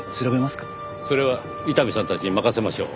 それは伊丹さんたちに任せましょう。